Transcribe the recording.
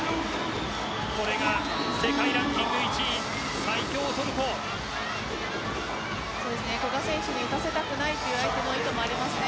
これが世界ランキング１位古賀選手に打たせたくないという意図もありますね。